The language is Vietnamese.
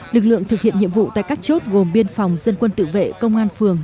lực lượng thực hiện nhiệm vụ tại các chốt gồm biên phòng dân quân tự vệ công an phường